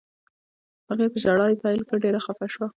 هغې په ژړا یې پیل وکړ، ډېره خفه شوه.